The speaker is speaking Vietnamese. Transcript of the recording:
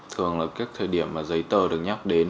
thường là các thời điểm mà giấy tờ được nhắc đến